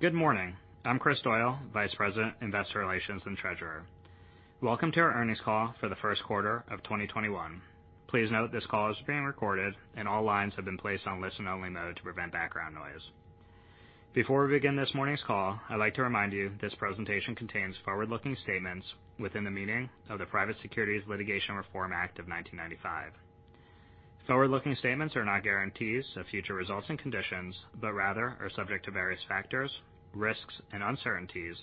Good morning. I'm Kris Doyle, Vice President, Investor Relations and Treasurer. Welcome to our earnings call for the first quarter of 2021. Please note this call is being recorded, and all lines have been placed on listen-only mode to prevent background noise. Before we begin this morning's call, I'd like to remind you this presentation contains forward-looking statements within the meaning of the Private Securities Litigation Reform Act of 1995. Forward-looking statements are not guarantees of future results and conditions, but rather are subject to various factors, risks, and uncertainties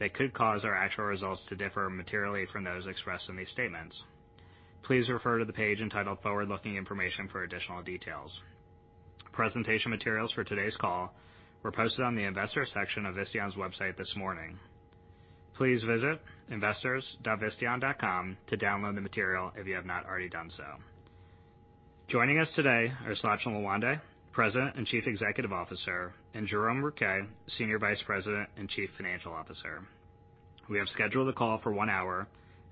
that could cause our actual results to differ materially from those expressed in these statements. Please refer to the page entitled Forward-Looking Information for additional details. Presentation materials for today's call were posted on the investors section of Visteon's website this morning. Please visit investors.visteon.com to download the material if you have not already done so. Joining us today are Sachin Lawande, President and Chief Executive Officer, and Jerome Rouquet, Senior Vice President and Chief Financial Officer. We have scheduled the call for one hour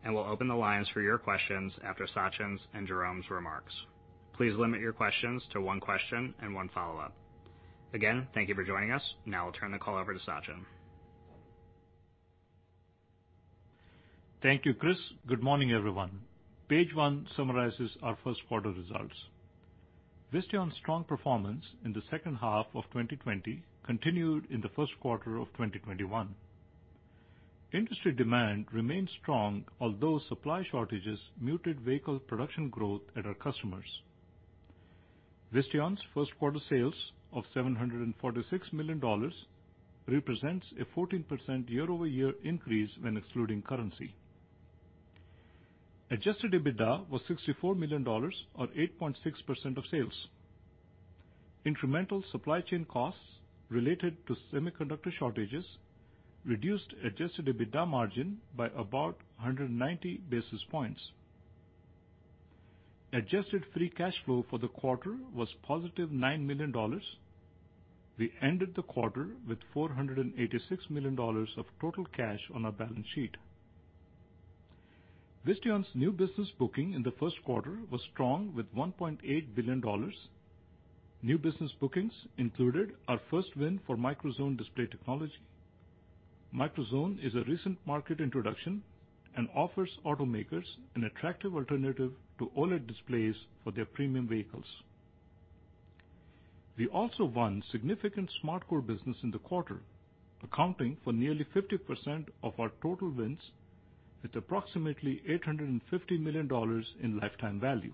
and will open the lines for your questions after Sachin's and Jerome's remarks. Please limit your questions to one question and one follow-up. Again, thank you for joining us. Now I'll turn the call over to Sachin. Thank you, Kris. Good morning, everyone. Page one summarizes our first quarter results. Visteon's strong performance in the second half of 2020 continued in the first quarter of 2021. Industry demand remained strong, although supply shortages muted vehicle production growth at our customers. Visteon's first quarter sales of $746 million represents a 14% year-over-year increase when excluding currency. Adjusted EBITDA was $64 million, or 8.6% of sales. Incremental supply chain costs related to semiconductor shortages reduced adjusted EBITDA margin by about 190 basis points. Adjusted free cash flow for the quarter was positive $9 million. We ended the quarter with $486 million of total cash on our balance sheet. Visteon's new business booking in the first quarter was strong with $1.8 billion. New business bookings included our first win for microZone display technology. microZone is a recent market introduction and offers automakers an attractive alternative to OLED displays for their premium vehicles. We also won significant SmartCore business in the quarter, accounting for nearly 50% of our total wins, with approximately $850 million in lifetime value.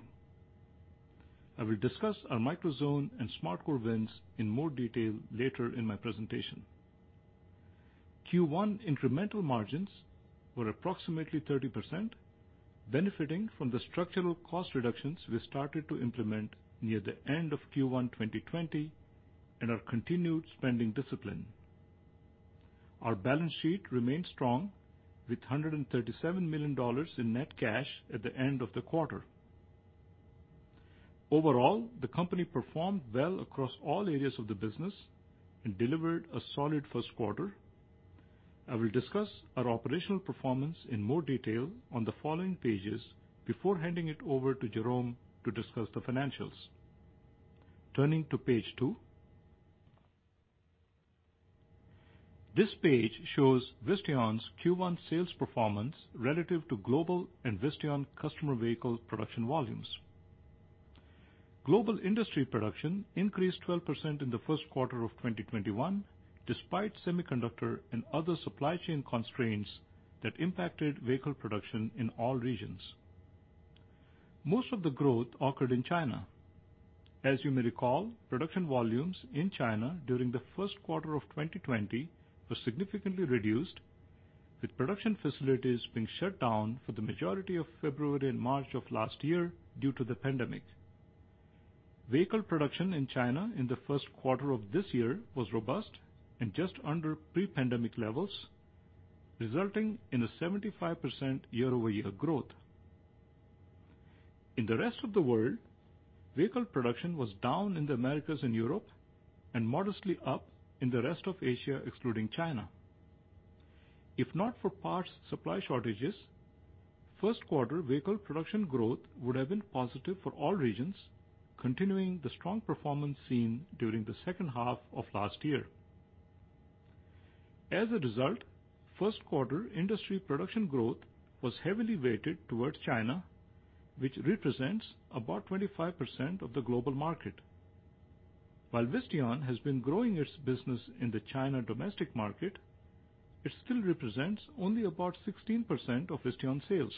I will discuss our microZone and SmartCore wins in more detail later in my presentation. Q1 incremental margins were approximately 30%, benefiting from the structural cost reductions we started to implement near the end of Q1 2020 and our continued spending discipline. Our balance sheet remained strong with $137 million in net cash at the end of the quarter. Overall, the company performed well across all areas of the business and delivered a solid first quarter. I will discuss our operational performance in more detail on the following pages before handing it over to Jerome to discuss the financials. Turning to page two. This page shows Visteon's Q1 sales performance relative to global and Visteon customer vehicle production volumes. Global industry production increased 12% in the first quarter of 2021, despite semiconductor and other supply chain constraints that impacted vehicle production in all regions. Most of the growth occurred in China. As you may recall, production volumes in China during the first quarter of 2020 were significantly reduced, with production facilities being shut down for the majority of February and March of last year due to the pandemic. Vehicle production in China in the first quarter of this year was robust and just under pre-pandemic levels, resulting in a 75% year-over-year growth. In the rest of the world, vehicle production was down in the Americas and Europe and modestly up in the rest of Asia, excluding China. If not for parts supply shortages, first quarter vehicle production growth would have been positive for all regions, continuing the strong performance seen during the second half of last year. As a result, first quarter industry production growth was heavily weighted towards China, which represents about 25% of the global market. While Visteon has been growing its business in the China domestic market. It still represents only about 16% of Visteon sales,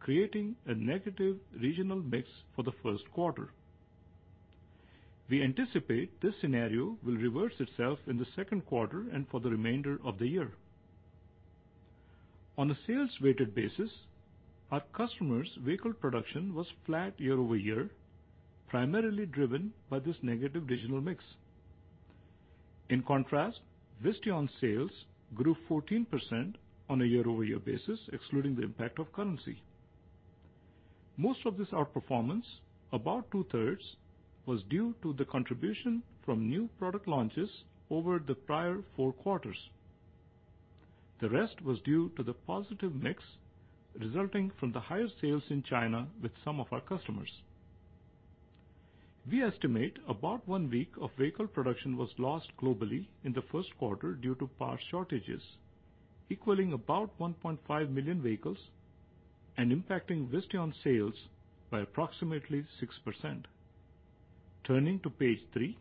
creating a negative regional mix for the first quarter. We anticipate this scenario will reverse itself in the second quarter and for the remainder of the year. On a sales-weighted basis, our customers' vehicle production was flat year-over-year, primarily driven by this negative regional mix. In contrast, Visteon sales grew 14% on a year-over-year basis, excluding the impact of currency. Most of this outperformance, about two-thirds, was due to the contribution from new product launches over the prior four quarters. The rest was due to the positive mix resulting from the higher sales in China with some of our customers. We estimate about one week of vehicle production was lost globally in the first quarter due to parts shortages, equaling about 1.5 million vehicles and impacting Visteon sales by approximately 6%. Turning to page three.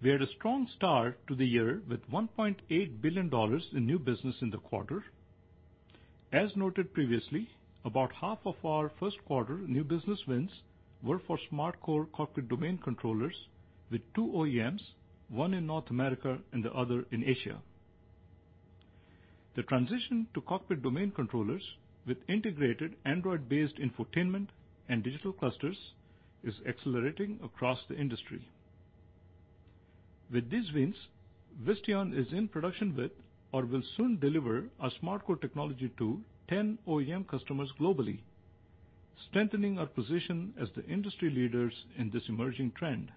We had a strong start to the year with $1.8 billion in new business in the quarter. As noted previously, about half of our first quarter new business wins were for SmartCore cockpit domain controllers with two OEMs, one in North America and the other in Asia. The transition to cockpit domain controllers with integrated Android-based infotainment and digital clusters is accelerating across the industry. With these wins, Visteon is in production with or will soon deliver our SmartCore technology to 10 OEM customers globally, strengthening our position as the industry leaders in this emerging trend.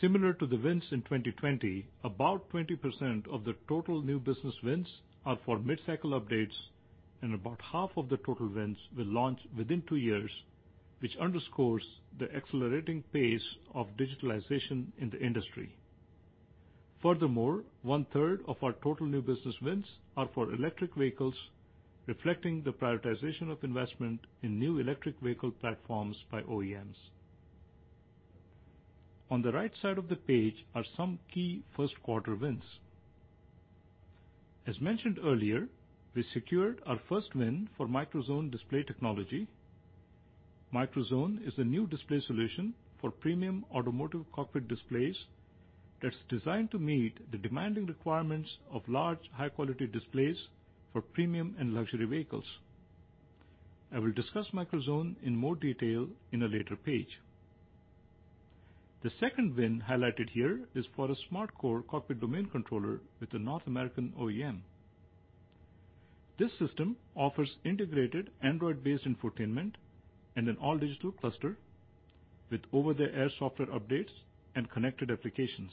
Similar to the wins in 2020, about 20% of the total new business wins are for mid-cycle updates, and about half of the total wins will launch within two years, which underscores the accelerating pace of digitalization in the industry. One-third of our total new business wins are for electric vehicles, reflecting the prioritization of investment in new electric vehicle platforms by OEMs. On the right side of the page are some key first quarter wins. As mentioned earlier, we secured our first win for microZone display technology. microZone is a new display solution for premium automotive cockpit displays that's designed to meet the demanding requirements of large, high-quality displays for premium and luxury vehicles. I will discuss microZone in more detail in a later page. The second win highlighted here is for a SmartCore cockpit domain controller with a North American OEM. This system offers integrated Android-based infotainment and an all-digital cluster with over-the-air software updates and connected applications.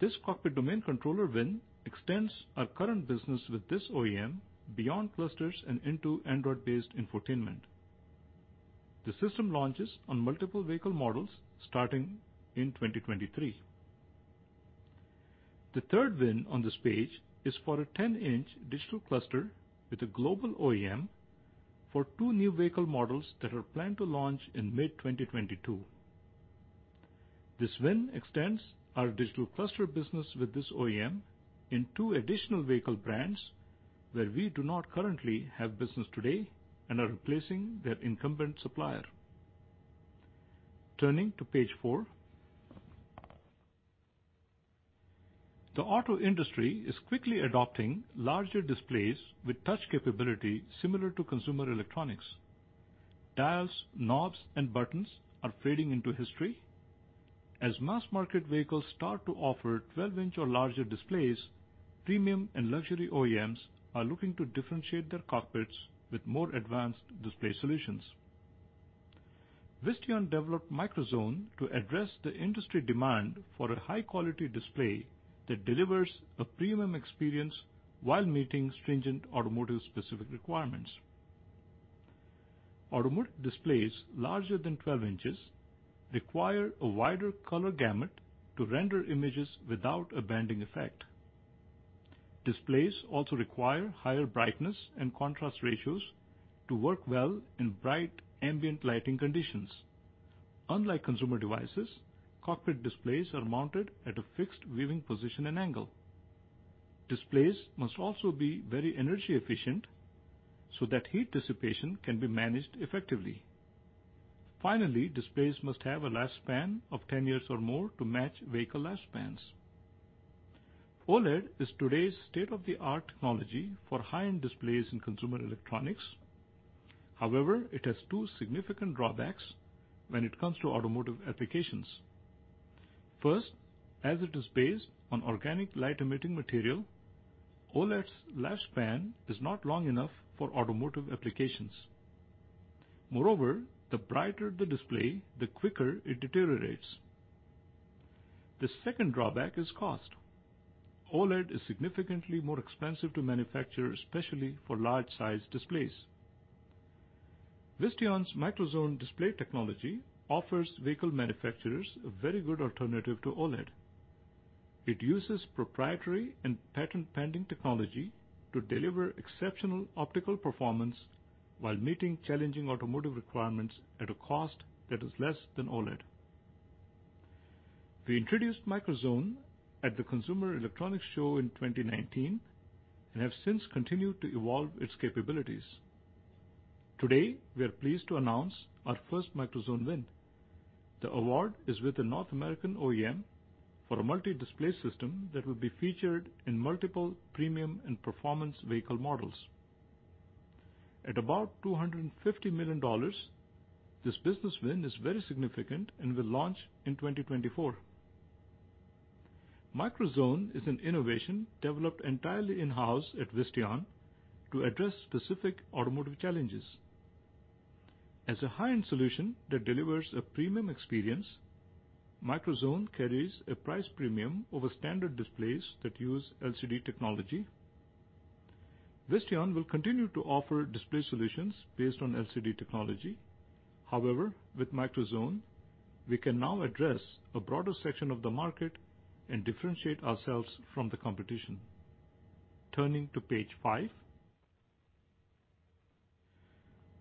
This cockpit domain controller win extends our current business with this OEM beyond clusters and into Android-based infotainment. The system launches on multiple vehicle models starting in 2023. The third win on this page is for a 10-inch digital cluster with a global OEM for two new vehicle models that are planned to launch in mid-2022. This win extends our digital cluster business with this OEM in two additional vehicle brands where we do not currently have business today and are replacing their incumbent supplier. Turning to page four. The auto industry is quickly adopting larger displays with touch capability similar to consumer electronics. Dials, knobs, and buttons are fading into history. As mass market vehicles start to offer 12-inch or larger displays, premium and luxury OEMs are looking to differentiate their cockpits with more advanced display solutions. Visteon developed microZone to address the industry demand for a high-quality display that delivers a premium experience while meeting stringent automotive specific requirements. Automotive displays larger than 12 inches require a wider color gamut to render images without a banding effect. Displays also require higher brightness and contrast ratios to work well in bright ambient lighting conditions. Unlike consumer devices, cockpit displays are mounted at a fixed viewing position and angle. Displays must also be very energy efficient so that heat dissipation can be managed effectively. Finally, displays must have a lifespan of 10 years or more to match vehicle lifespans. OLED is today's state-of-the-art technology for high-end displays in consumer electronics. It has two significant drawbacks when it comes to automotive applications. First, as it is based on organic light-emitting material, OLED's lifespan is not long enough for automotive applications. Moreover, the brighter the display, the quicker it deteriorates. The second drawback is cost. OLED is significantly more expensive to manufacture, especially for large size displays. Visteon's microZone display technology offers vehicle manufacturers a very good alternative to OLED. It uses proprietary and patent-pending technology to deliver exceptional optical performance while meeting challenging automotive requirements at a cost that is less than OLED. We introduced microZone at the Consumer Electronics Show in 2019 and have since continued to evolve its capabilities. Today, we are pleased to announce our first microZone win. The award is with a North American OEM for a multi-display system that will be featured in multiple premium and performance vehicle models. At about $250 million, this business win is very significant and will launch in 2024. microZone is an innovation developed entirely in-house at Visteon to address specific automotive challenges. As a high-end solution that delivers a premium experience, microZone carries a price premium over standard displays that use LCD technology. Visteon will continue to offer display solutions based on LCD technology. However, with microZone, we can now address a broader section of the market and differentiate ourselves from the competition. Turning to page five.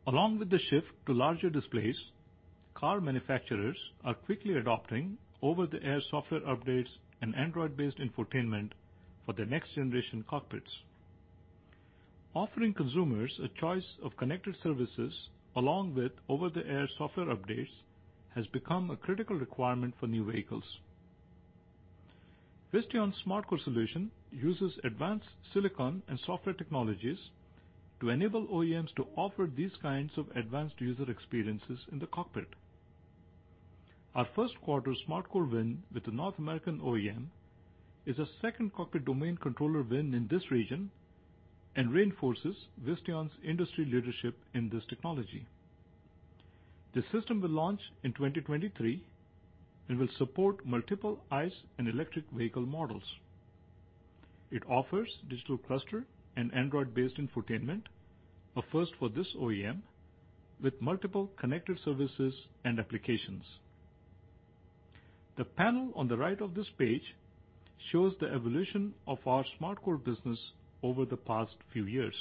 Along with the shift to larger displays, car manufacturers are quickly adopting over-the-air software updates and Android-based infotainment for their next-generation cockpits. Offering consumers a choice of connected services along with over-the-air software updates has become a critical requirement for new vehicles. Visteon's SmartCore solution uses advanced silicon and software technologies to enable OEMs to offer these kinds of advanced user experiences in the cockpit. Our first quarter SmartCore win with the North American OEM is a second cockpit domain controller win in this region and reinforces Visteon's industry leadership in this technology. The system will launch in 2023 and will support multiple ICE and electric vehicle models. It offers digital cluster and Android-based infotainment, a first for this OEM, with multiple connected services and applications. The panel on the right of this page shows the evolution of our SmartCore business over the past few years.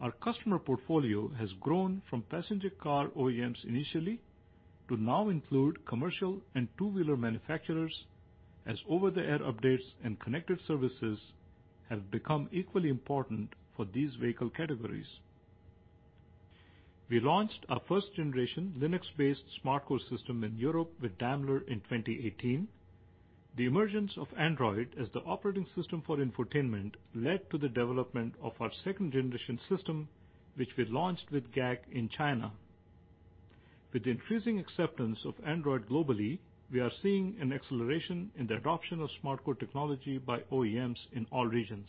Our customer portfolio has grown from passenger car OEMs initially to now include commercial and two-wheeler manufacturers as over-the-air updates and connected services have become equally important for these vehicle categories. We launched our first generation Linux-based SmartCore system in Europe with Daimler in 2018. The emergence of Android as the operating system for infotainment led to the development of our second generation system, which we launched with GAC in China. With the increasing acceptance of Android globally, we are seeing an acceleration in the adoption of SmartCore technology by OEMs in all regions.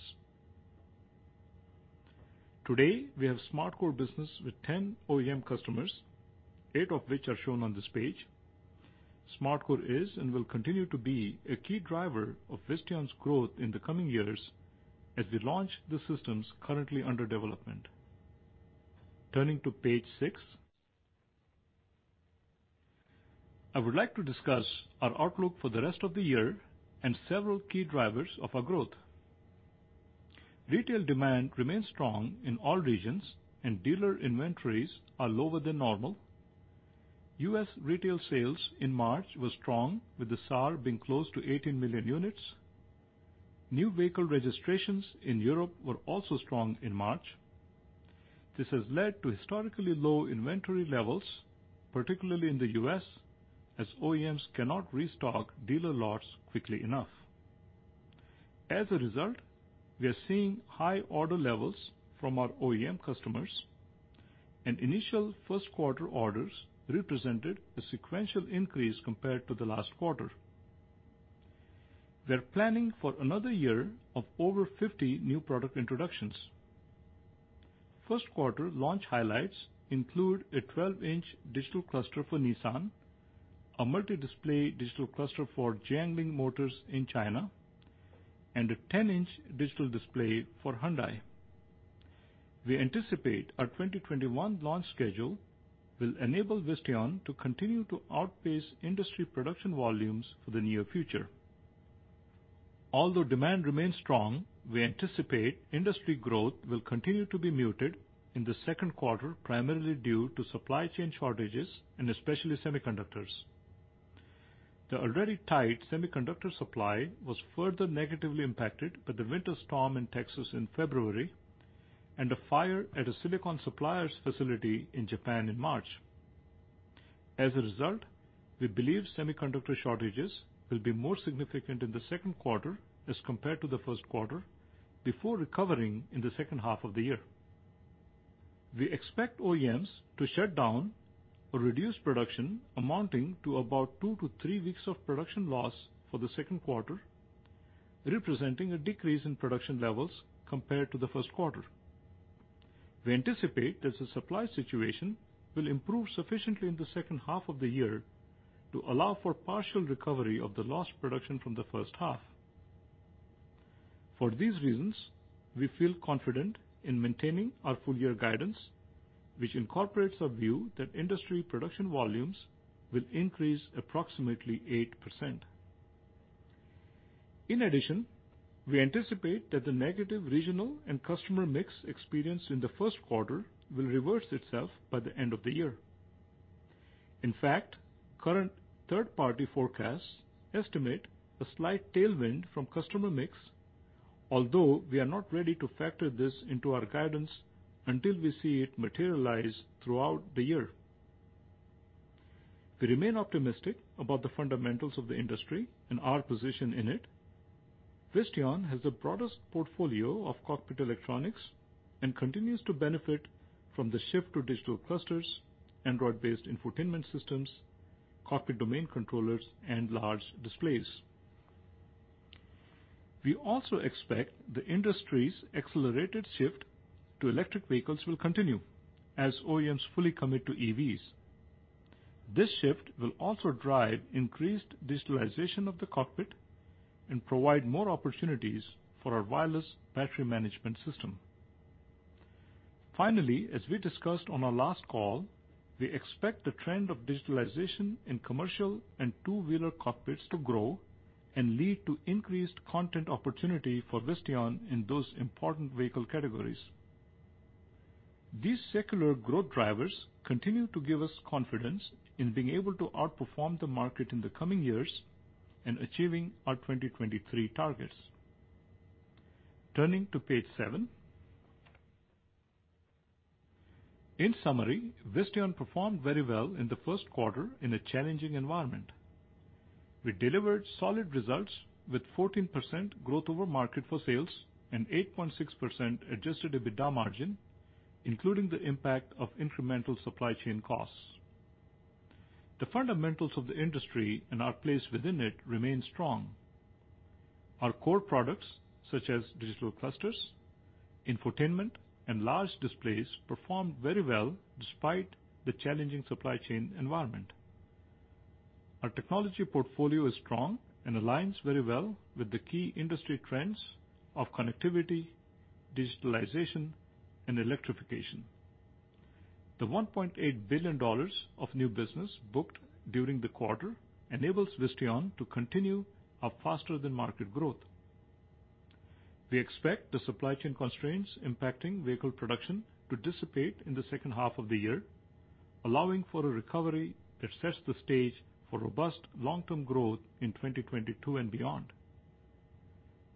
Today, we have SmartCore business with 10 OEM customers, eight of which are shown on this page. SmartCore is and will continue to be a key driver of Visteon's growth in the coming years as we launch the systems currently under development. Turning to page six. I would like to discuss our outlook for the rest of the year and several key drivers of our growth. Retail demand remains strong in all regions, and dealer inventories are lower than normal. U.S. retail sales in March were strong, with the SAAR being close to 18 million units. New vehicle registrations in Europe were also strong in March. This has led to historically low inventory levels, particularly in the U.S., as OEMs cannot restock dealer lots quickly enough. As a result, we are seeing high order levels from our OEM customers, and initial first quarter orders represented a sequential increase compared to the last quarter. We are planning for another year of over 50 new product introductions. First quarter launch highlights include a 12-inch digital cluster for Nissan, a multi-display digital cluster for Jiangling Motors in China, and a 10-inch digital display for Hyundai. We anticipate our 2021 launch schedule will enable Visteon to continue to outpace industry production volumes for the near future. Although demand remains strong, we anticipate industry growth will continue to be muted in the second quarter, primarily due to supply chain shortages, and especially semiconductors. The already tight semiconductor supply was further negatively impacted by the winter storm in Texas in February and a fire at a silicon supplier's facility in Japan in March. We believe semiconductor shortages will be more significant in the second quarter as compared to the first quarter before recovering in the second half of the year. We expect OEMs to shut down or reduce production amounting to about two to three weeks of production loss for the second quarter, representing a decrease in production levels compared to the first quarter. We anticipate that the supply situation will improve sufficiently in the second half of the year to allow for partial recovery of the lost production from the first half. For these reasons, we feel confident in maintaining our full year guidance, which incorporates our view that industry production volumes will increase approximately 8%. In addition, we anticipate that the negative regional and customer mix experienced in the first quarter will reverse itself by the end of the year. In fact, current third-party forecasts estimate a slight tailwind from customer mix, although we are not ready to factor this into our guidance until we see it materialize throughout the year. We remain optimistic about the fundamentals of the industry and our position in it. Visteon has the broadest portfolio of cockpit electronics and continues to benefit from the shift to digital clusters, Android-based infotainment systems, cockpit domain controllers, and large displays. We also expect the industry's accelerated shift to electric vehicles will continue as OEMs fully commit to EVs. This shift will also drive increased digitalization of the cockpit and provide more opportunities for our wireless battery management system. Finally, as we discussed on our last call, we expect the trend of digitalization in commercial and two-wheeler cockpits to grow and lead to increased content opportunity for Visteon in those important vehicle categories. These secular growth drivers continue to give us confidence in being able to outperform the market in the coming years and achieving our 2023 targets. Turning to page seven. In summary, Visteon performed very well in the first quarter in a challenging environment. We delivered solid results with 14% growth over market for sales and 8.6% adjusted EBITDA margin, including the impact of incremental supply chain costs. The fundamentals of the industry and our place within it remain strong. Our core products, such as digital clusters, infotainment, and large displays, performed very well despite the challenging supply chain environment. Our technology portfolio is strong and aligns very well with the key industry trends of connectivity, digitalization, and electrification. The $1.8 billion of new business booked during the quarter enables Visteon to continue our faster-than-market growth. We expect the supply chain constraints impacting vehicle production to dissipate in the second half of the year, allowing for a recovery that sets the stage for robust long-term growth in 2022 and beyond.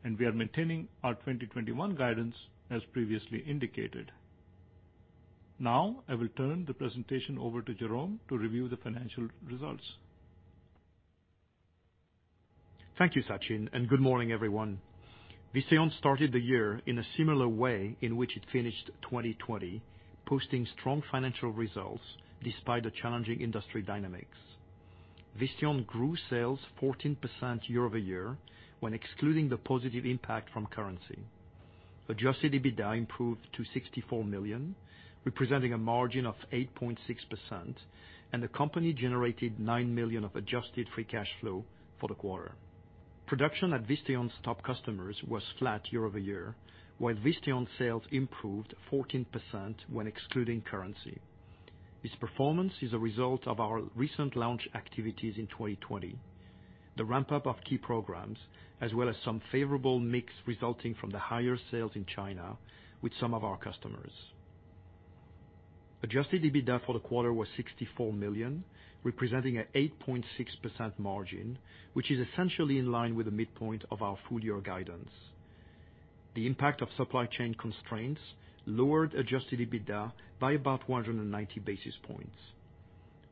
We are maintaining our 2021 guidance as previously indicated. Now, I will turn the presentation over to Jerome to review the financial results. Thank you, Sachin, and good morning, everyone. Visteon started the year in a similar way in which it finished 2020, posting strong financial results despite the challenging industry dynamics. Visteon grew sales 14% year-over-year when excluding the positive impact from currency. Adjusted EBITDA improved to $64 million, representing a margin of 8.6%, and the company generated $9 million of adjusted free cash flow for the quarter. Production at Visteon's top customers was flat year-over-year, while Visteon sales improved 14% when excluding currency. This performance is a result of our recent launch activities in 2020, the ramp-up of key programs, as well as some favorable mix resulting from the higher sales in China with some of our customers. Adjusted EBITDA for the quarter was $64 million, representing an 8.6% margin, which is essentially in line with the midpoint of our full-year guidance. The impact of supply chain constraints lowered adjusted EBITDA by about 190 basis points.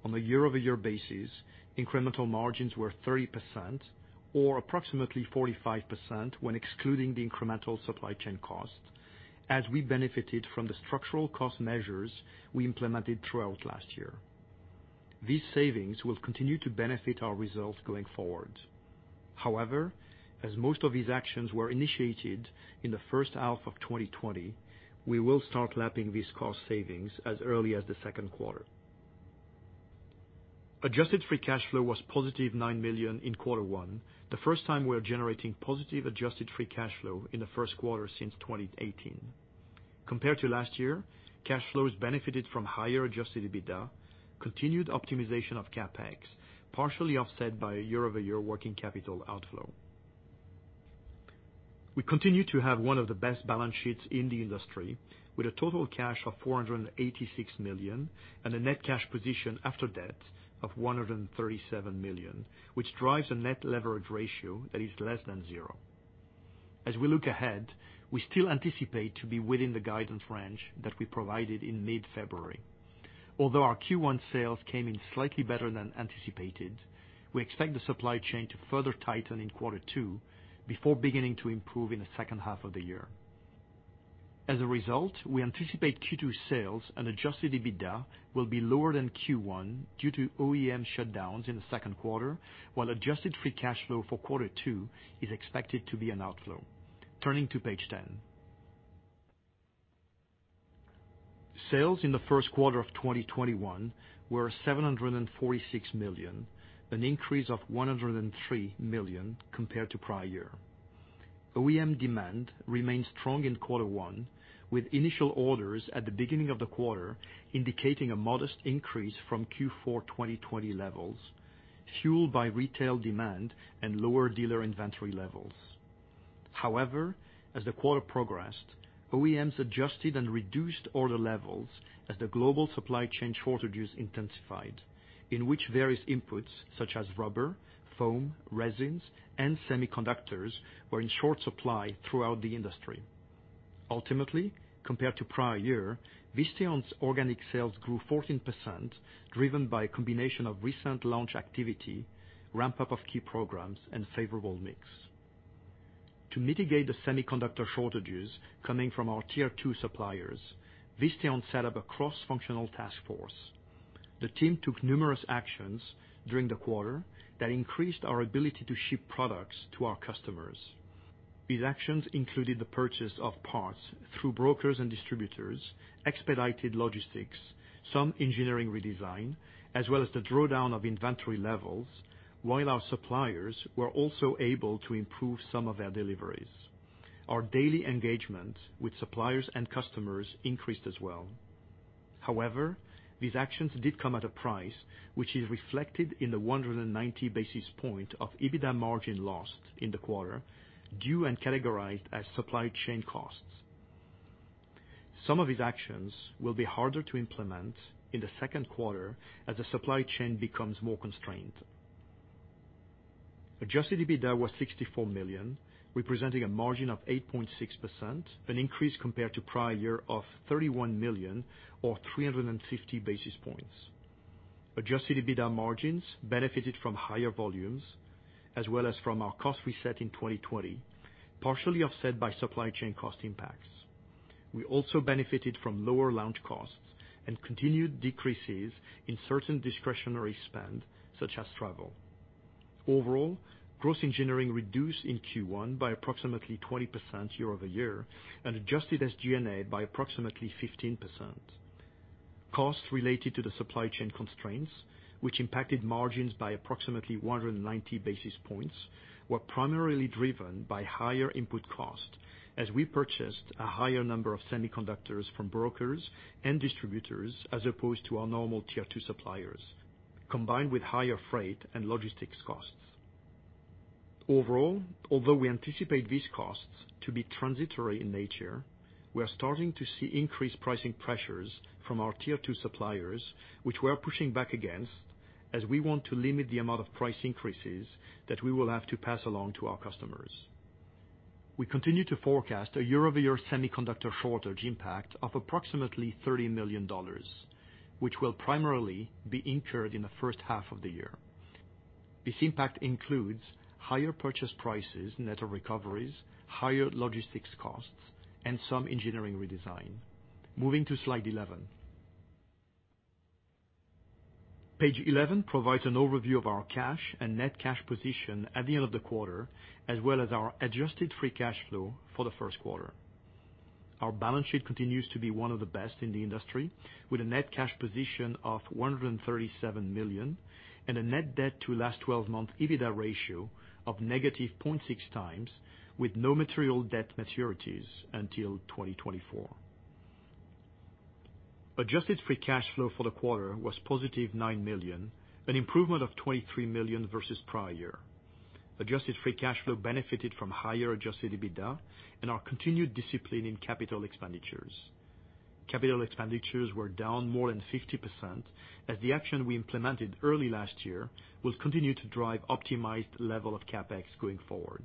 On a year-over-year basis, incremental margins were 30%, or approximately 45% when excluding the incremental supply chain cost, as we benefited from the structural cost measures we implemented throughout last year. These savings will continue to benefit our results going forward. However, as most of these actions were initiated in the first half of 2020, we will start lapping these cost savings as early as the second quarter. Adjusted free cash flow was positive $9 million in quarter one, the first time we are generating positive adjusted free cash flow in the first quarter since 2018. Compared to last year, cash flows benefited from higher adjusted EBITDA, continued optimization of CapEx, partially offset by a year-over-year working capital outflow. We continue to have one of the best balance sheets in the industry, with a total cash of $486 million and a net cash position after debt of $137 million, which drives a net leverage ratio that is less than zero. As we look ahead, we still anticipate to be within the guidance range that we provided in mid-February. Although our Q1 sales came in slightly better than anticipated, we expect the supply chain to further tighten in quarter two before beginning to improve in the second half of the year. As a result, we anticipate Q2 sales and adjusted EBITDA will be lower than Q1 due to OEM shutdowns in the second quarter, while adjusted free cash flow for quarter two is expected to be an outflow. Turning to page 10. Sales in the first quarter of 2021 were $746 million, an increase of $103 million compared to prior year. OEM demand remained strong in Q1, with initial orders at the beginning of the quarter indicating a modest increase from Q4 2020 levels, fueled by retail demand and lower dealer inventory levels. However, as the quarter progressed, OEMs adjusted and reduced order levels as the global supply chain shortages intensified, in which various inputs such as rubber, foam, resins, and semiconductors were in short supply throughout the industry. Ultimately, compared to prior year, Visteon's organic sales grew 14%, driven by a combination of recent launch activity, ramp-up of key programs, and favorable mix. To mitigate the semiconductor shortages coming from our tier two suppliers, Visteon set up a cross-functional task force. The team took numerous actions during the quarter that increased our ability to ship products to our customers. These actions included the purchase of parts through brokers and distributors, expedited logistics, some engineering redesign, as well as the drawdown of inventory levels, while our suppliers were also able to improve some of their deliveries. Our daily engagements with suppliers and customers increased as well. However, these actions did come at a price, which is reflected in the 190 basis point of EBITDA margin lost in the quarter, due and categorized as supply chain costs. Some of these actions will be harder to implement in the second quarter as the supply chain becomes more constrained. Adjusted EBITDA was $64 million, representing a margin of 8.6%, an increase compared to prior year of $31 million or 350 basis points. Adjusted EBITDA margins benefited from higher volumes as well as from our cost reset in 2020, partially offset by supply chain cost impacts. We also benefited from lower launch costs and continued decreases in certain discretionary spend, such as travel. Overall, gross engineering reduced in Q1 by approximately 20% year-over-year and adjusted SG&A by approximately 15%. Costs related to the supply chain constraints, which impacted margins by approximately 190 basis points, were primarily driven by higher input cost as we purchased a higher number of semiconductors from brokers and distributors as opposed to our normal Tier 2 suppliers, combined with higher freight and logistics costs. Overall, although we anticipate these costs to be transitory in nature, we are starting to see increased pricing pressures from our Tier 2 suppliers, which we are pushing back against as we want to limit the amount of price increases that we will have to pass along to our customers. We continue to forecast a year-over-year semiconductor shortage impact of approximately $30 million, which will primarily be incurred in the first half of the year. This impact includes higher purchase prices, net of recoveries, higher logistics costs, and some engineering redesign. Moving to slide 11. Page 11 provides an overview of our cash and net cash position at the end of the quarter, as well as our adjusted free cash flow for the first quarter. Our balance sheet continues to be one of the best in the industry, with a net cash position of $137 million and a net debt to last 12-month EBITDA ratio of -0.6x with no material debt maturities until 2024. Adjusted free cash flow for the quarter was positive $9 million, an improvement of $23 million versus prior year. Adjusted free cash flow benefited from higher adjusted EBITDA and our continued discipline in capital expenditures. Capital expenditures were down more than 50%, as the action we implemented early last year will continue to drive optimized level of CapEx going forward.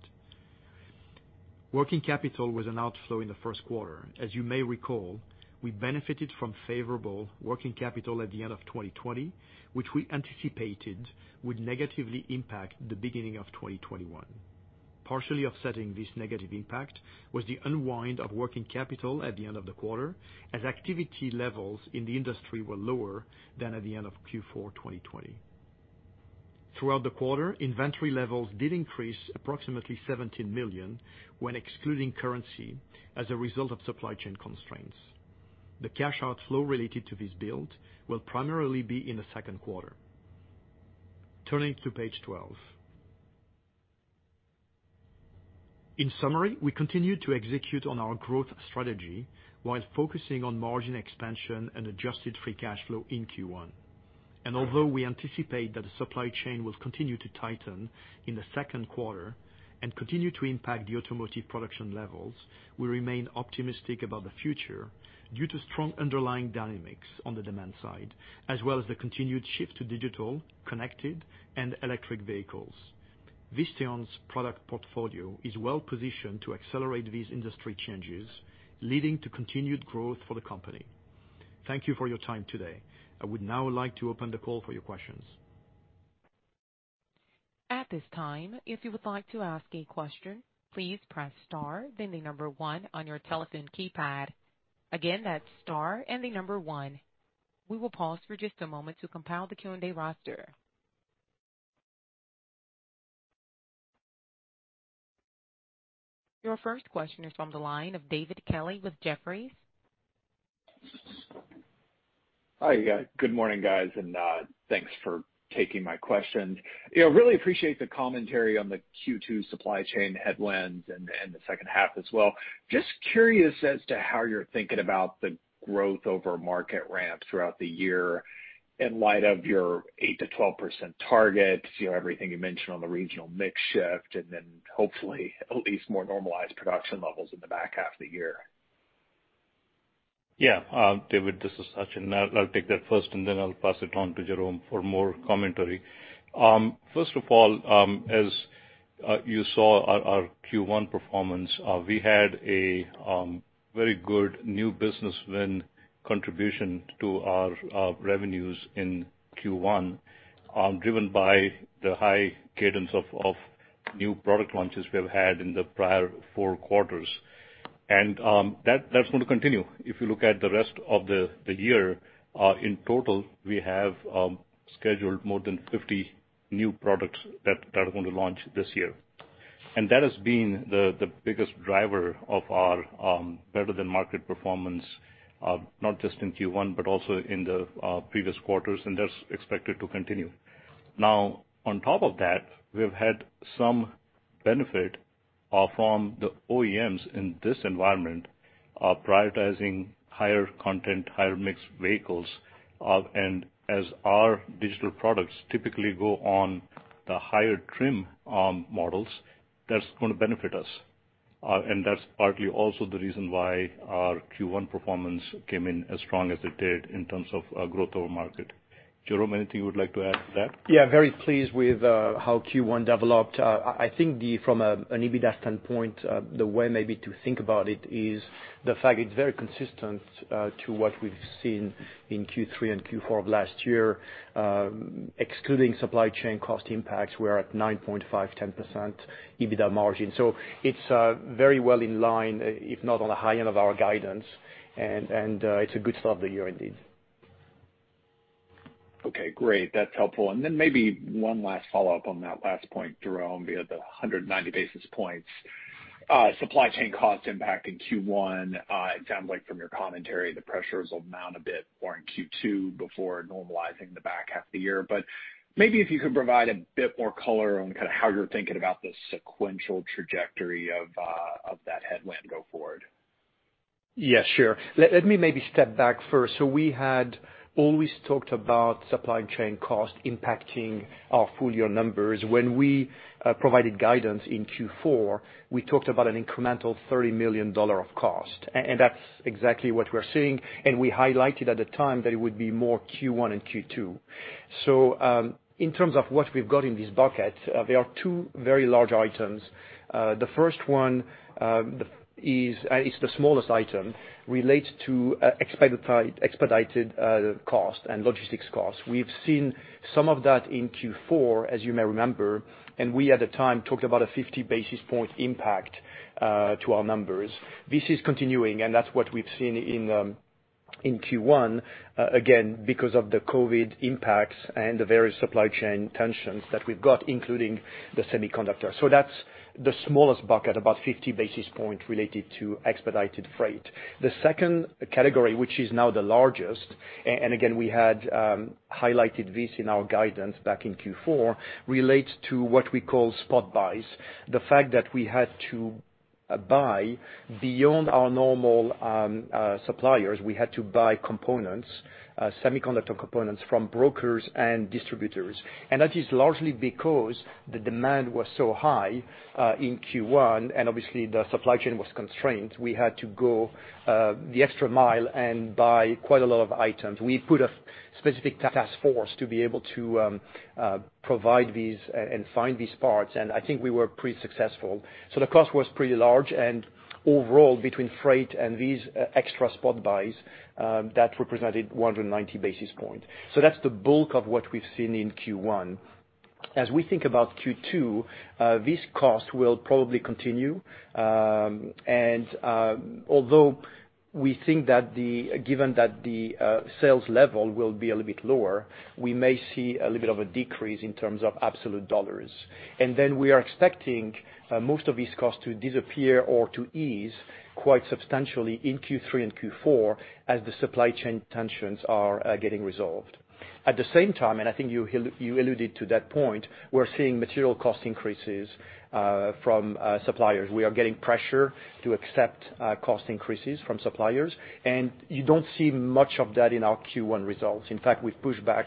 Working capital was an outflow in the first quarter. As you may recall, we benefited from favorable working capital at the end of 2020, which we anticipated would negatively impact the beginning of 2021. Partially offsetting this negative impact was the unwind of working capital at the end of the quarter, as activity levels in the industry were lower than at the end of Q4 2020. Throughout the quarter, inventory levels did increase approximately $17 million when excluding currency as a result of supply chain constraints. The cash outflow related to this build will primarily be in the second quarter. Turning to page 12. In summary, we continue to execute on our growth strategy while focusing on margin expansion and adjusted free cash flow in Q1. Although we anticipate that the supply chain will continue to tighten in the second quarter and continue to impact the automotive production levels, we remain optimistic about the future due to strong underlying dynamics on the demand side, as well as the continued shift to digital, connected, and electric vehicles. Visteon's product portfolio is well-positioned to accelerate these industry changes, leading to continued growth for the company. Thank you for your time today. I would now like to open the call for your questions. We will pause for just a moment to compile the Q&A roster. Your first question is from the line of David Kelly with Jefferies. Hi, guys. Good morning, guys, and thanks for taking my question. Really appreciate the commentary on the Q2 supply chain headwinds and the second half as well. Just curious as to how you're thinking about the growth over market ramp throughout the year in light of your 8%-12% target, everything you mentioned on the regional mix shift, and then hopefully at least more normalized production levels in the back half of the year. Yeah, David, this is Sachin. I'll take that first, and then I'll pass it on to Jerome for more commentary. First of all, as you saw our Q1 performance, we had a very good new business win contribution to our revenues in Q1, driven by the high cadence of new product launches we have had in the prior four quarters. That's going to continue. If you look at the rest of the year, in total, we have scheduled more than 50 new products that are going to launch this year. That has been the biggest driver of our better-than-market performance, not just in Q1, but also in the previous quarters, and that's expected to continue. Now, on top of that, we've had some benefit from the OEMs in this environment, prioritizing higher content, higher mixed vehicles. As our digital products typically go on the higher trim models, that's going to benefit us. That's partly also the reason why our Q1 performance came in as strong as it did in terms of growth over market. Jerome, anything you would like to add to that? Yeah, very pleased with how Q1 developed. I think from an EBITDA standpoint, the way maybe to think about it is the fact it's very consistent to what we've seen in Q3 and Q4 of last year. Excluding supply chain cost impacts, we are at 9.5%-10% EBITDA margin. It's very well in line, if not on the high end of our guidance, and it's a good start of the year indeed. Okay, great. That's helpful. Maybe one last follow-up on that last point, Jerome, via the 190 basis points supply chain cost impact in Q1. It sounds like from your commentary, the pressures will mount a bit more in Q2 before normalizing the back half of the year. Maybe if you could provide a bit more color on how you're thinking about the sequential trajectory of that headwind go forward. Yeah, sure. Let me maybe step back first. We had always talked about supply chain cost impacting our full-year numbers. When we provided guidance in Q4, we talked about an incremental $30 million of cost. That's exactly what we're seeing, and we highlighted at the time that it would be more Q1 and Q2. In terms of what we've got in this bucket, there are two very large items. The first one is the smallest item, relates to expedited cost and logistics cost. We've seen some of that in Q4, as you may remember, and we at the time talked about a 50 basis point impact to our numbers. This is continuing, and that's what we've seen in Q1, again, because of the COVID impacts and the various supply chain tensions that we've got, including the semiconductor. That's the smallest bucket, about 50 basis points related to expedited freight. The second category, which is now the largest, and again, we had highlighted this in our guidance back in Q4, relates to what we call spot buys. The fact that we had to buy beyond our normal suppliers, we had to buy components, semiconductor components from brokers and distributors. That is largely because the demand was so high in Q1, and obviously, the supply chain was constrained. We had to go the extra mile and buy quite a lot of items. We put a specific task force to be able to provide these and find these parts, and I think we were pretty successful. The cost was pretty large, and overall, between freight and these extra spot buys, that represented 190 basis points. That's the bulk of what we've seen in Q1. As we think about Q2, this cost will probably continue. Although we think that given that the sales level will be a little bit lower, we may see a little bit of a decrease in terms of absolute dollars. Then we are expecting most of these costs to disappear or to ease quite substantially in Q3 and Q4 as the supply chain tensions are getting resolved. At the same time, I think you alluded to that point, we're seeing material cost increases from suppliers. We are getting pressure to accept cost increases from suppliers, and you don't see much of that in our Q1 results. In fact, we've pushed back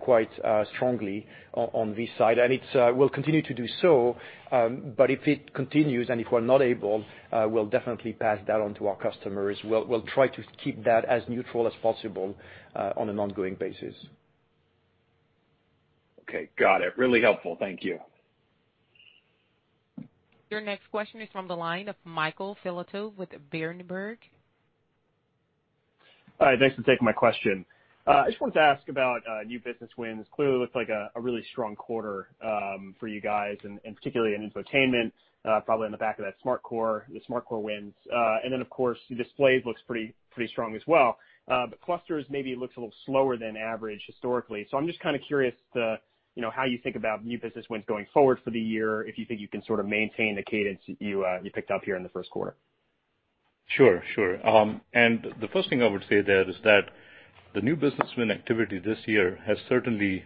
quite strongly on this side, and we'll continue to do so. If it continues and if we're not able, we'll definitely pass that on to our customers. We'll try to keep that as neutral as possible on an ongoing basis. Okay, got it. Really helpful. Thank you. Your next question is from the line of Michael Filatov with Berenberg. Hi, thanks for taking my question. I just wanted to ask about new business wins. Clearly looks like a really strong quarter for you guys, particularly in infotainment, probably on the back of that SmartCore wins. Of course, the displays looks pretty strong as well. Clusters maybe looks a little slower than average historically. I'm just kind of curious how you think about new business wins going forward for the year, if you think you can sort of maintain the cadence that you picked up here in the first quarter. Sure. The first thing I would say there is that the new business win activity this year has certainly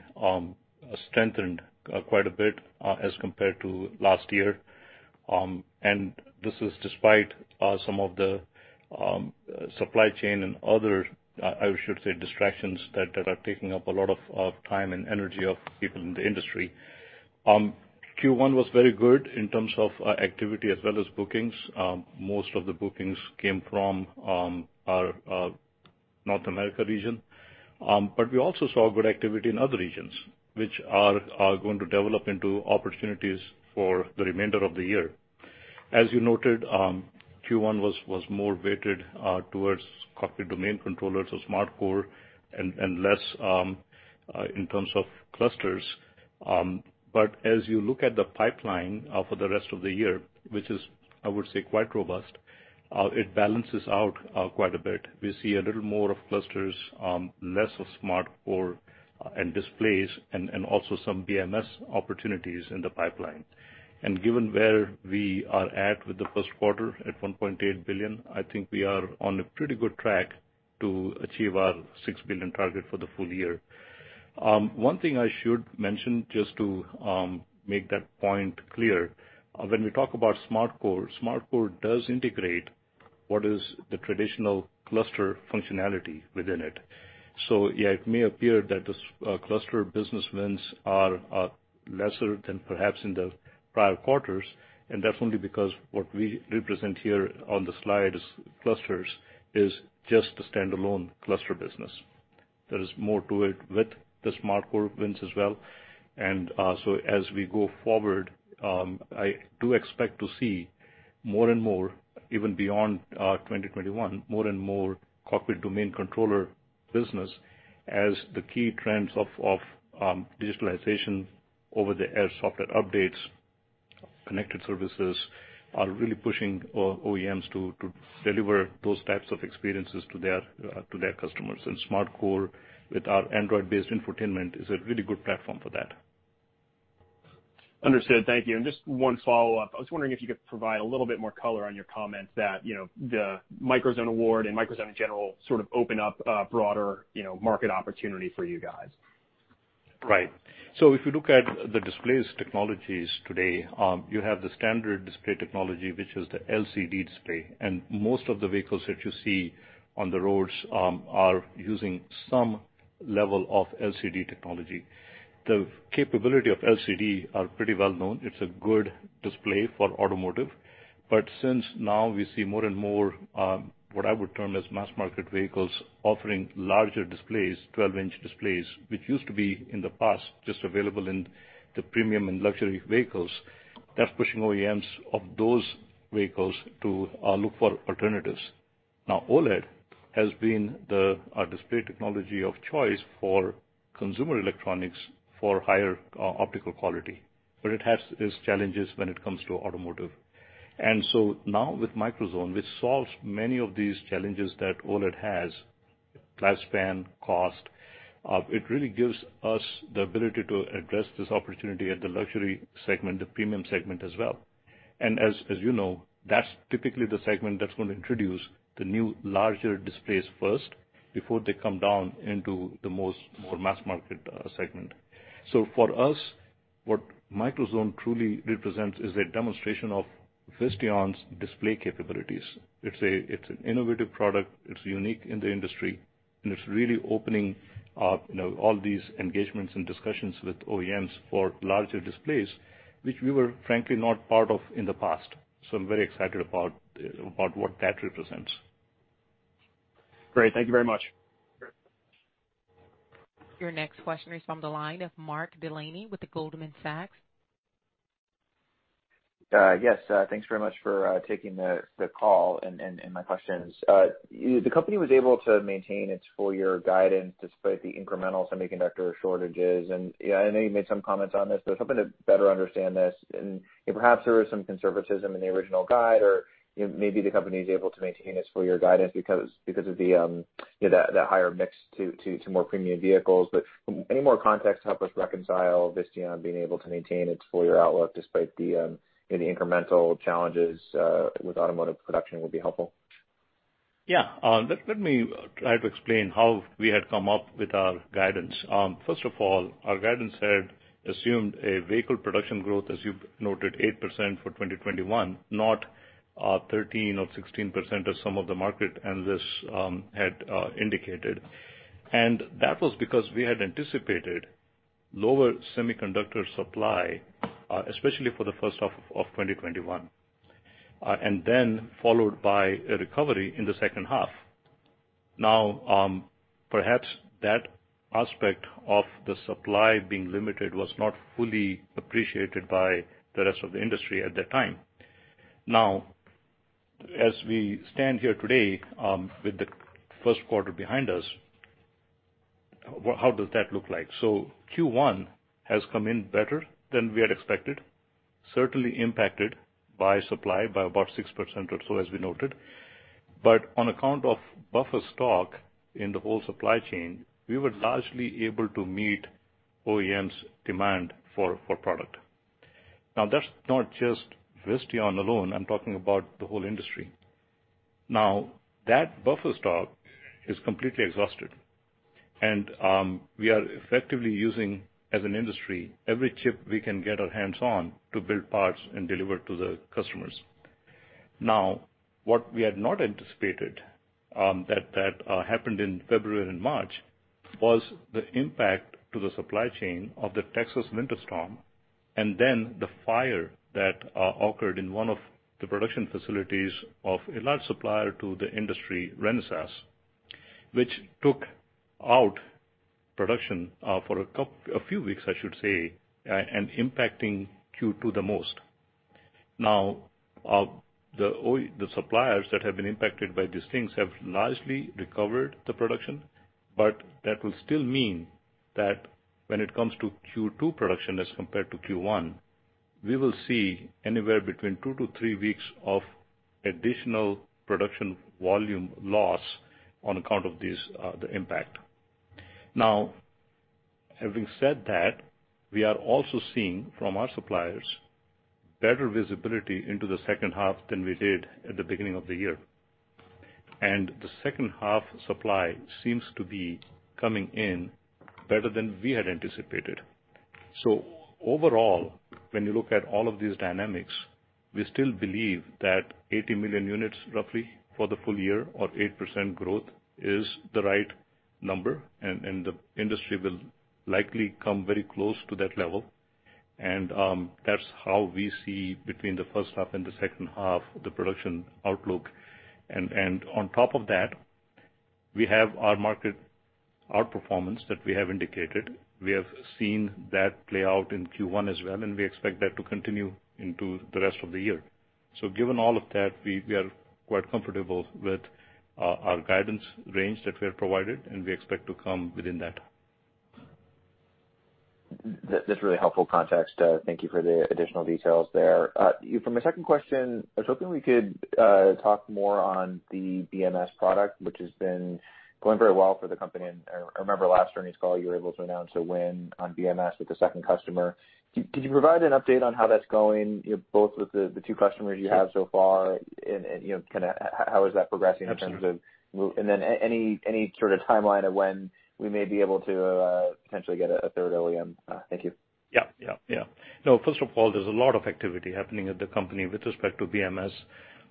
strengthened quite a bit as compared to last year. This is despite some of the supply chain and other, I should say, distractions that are taking up a lot of time and energy of people in the industry. Q1 was very good in terms of activity as well as bookings. Most of the bookings came from our North America region. We also saw good activity in other regions, which are going to develop into opportunities for the remainder of the year. As you noted, Q1 was more weighted towards cockpit domain controller, so SmartCore and less in terms of clusters. As you look at the pipeline for the rest of the year, which is, I would say, quite robust, it balances out quite a bit. We see a little more of clusters, less of SmartCore and displays, and also some BMS opportunities in the pipeline. Given where we are at with the first quarter at $1.8 billion, I think we are on a pretty good track to achieve our $6 billion target for the full year. One thing I should mention, just to make that point clear, when we talk about SmartCore does integrate what is the traditional cluster functionality within it. Yeah, it may appear that the cluster business wins are lesser than perhaps in the prior quarters, and that's only because what we represent here on the slide as clusters is just the standalone cluster business. There is more to it with the SmartCore wins as well. As we go forward, I do expect to see more and more, even beyond 2021, more and more cockpit domain controller business as the key trends of digitalization over-the-air software updates, connected services, are really pushing OEMs to deliver those types of experiences to their customers. SmartCore with our Android-based infotainment is a really good platform for that. Understood. Thank you. Just one follow-up. I was wondering if you could provide a little bit more color on your comments that the microZone award and microZone in general sort of open up a broader market opportunity for you guys. Right. If you look at the displays technologies today, you have the standard display technology, which is the LCD display. Most of the vehicles that you see on the roads are using some level of LCD technology. The capability of LCD are pretty well-known. It's a good display for automotive. Since now we see more and more, what I would term as mass market vehicles offering larger displays, 12-inch displays, which used to be in the past just available in the premium and luxury vehicles, that's pushing OEMs of those vehicles to look for alternatives. OLED has been the display technology of choice for consumer electronics for higher optical quality, but it has its challenges when it comes to automotive. Now with microZone, which solves many of these challenges that OLED has, lifespan, cost, it really gives us the ability to address this opportunity at the luxury segment, the premium segment as well. As you know, that's typically the segment that's going to introduce the new larger displays first before they come down into the more mass market segment. For us, what microZone truly represents is a demonstration of Visteon's display capabilities. It's an innovative product, it's unique in the industry, and it's really opening up all these engagements and discussions with OEMs for larger displays, which we were frankly not part of in the past. I'm very excited about what that represents. Great. Thank you very much. Your next question is from the line of Mark Delaney with the Goldman Sachs. Yes. Thanks very much for taking the call and my questions. The company was able to maintain its full-year guidance despite the incremental semiconductor shortages. Yeah, I know you made some comments on this, but hoping to better understand this. Perhaps there was some conservatism in the original guide, or maybe the company is able to maintain its full-year guidance because of that higher mix to more premium vehicles. Any more context to help us reconcile Visteon being able to maintain its full-year outlook despite the incremental challenges with automotive production would be helpful. Yeah. Let me try to explain how we had come up with our guidance. First of all, our guidance had assumed a vehicle production growth, as you noted, 8% for 2021, not 13% or 16% as some of the market analysts had indicated. That was because we had anticipated lower semiconductor supply, especially for the first half of 2021, then followed by a recovery in the second half. Now, perhaps that aspect of the supply being limited was not fully appreciated by the rest of the industry at that time. Now, as we stand here today with the first quarter behind us, how does that look like? Q1 has come in better than we had expected, certainly impacted by supply by about 6% or so, as we noted. On account of buffer stock in the whole supply chain, we were largely able to meet OEMs' demand for product. Now, that's not just Visteon alone, I'm talking about the whole industry. Now, that buffer stock is completely exhausted, and we are effectively using, as an industry, every chip we can get our hands on to build parts and deliver to the customers. Now, what we had not anticipated, that happened in February and March, was the impact to the supply chain of the Texas winter storm and then the fire that occurred in one of the production facilities of a large supplier to the industry, Renesas, which took out production for a few weeks, I should say, and impacting Q2 the most. The suppliers that have been impacted by these things have largely recovered the production, but that will still mean that when it comes to Q2 production as compared to Q1. We will see anywhere between two to three weeks of additional production volume loss on account of the impact. Having said that, we are also seeing from our suppliers better visibility into the second half than we did at the beginning of the year. The second-half supply seems to be coming in better than we had anticipated. Overall, when you look at all of these dynamics, we still believe that 80 million units roughly for the full year or 8% growth is the right number. The industry will likely come very close to that level. That's how we see between the first half and the second half, the production outlook. On top of that, we have our market outperformance that we have indicated. We have seen that play out in Q1 as well, and we expect that to continue into the rest of the year. Given all of that, we are quite comfortable with our guidance range that we have provided, and we expect to come within that. That's really helpful context. Thank you for the additional details there. For my second question, I was hoping we could talk more on the BMS product, which has been going very well for the company. I remember last earnings call, you were able to announce a win on BMS with a second customer. Could you provide an update on how that's going, both with the two customers you have so far and how is that progressing in terms of any sort of timeline of when we may be able to potentially get a third OEM? Thank you. First of all, there's a lot of activity happening at the company with respect to BMS.